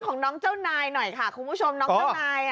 ของน้องเจ้านายหน่อยค่ะคุณผู้ชมน้องเจ้านาย